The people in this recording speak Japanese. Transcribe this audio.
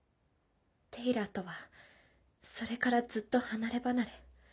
テイラーとはそれからずっと離れ離れ。